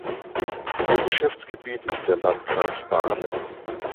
Ihr Geschäftsgebiet ist der Landkreis Barnim.